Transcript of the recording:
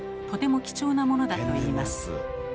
とても貴重なものだといいます。